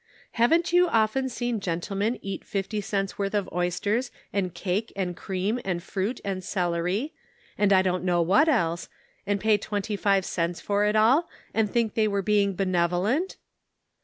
" Haven't you often seen gentlemen eat fifty cents worth of oysters and cake and cream and fruit and celery, and I don't know what else, and pay twenty five cents for it all, and think they were being benevolent